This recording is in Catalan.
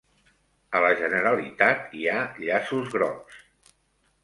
A la Generalitat hi ha llaços grocs